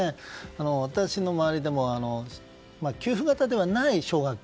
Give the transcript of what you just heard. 私の周りでも給付型ではない奨学金。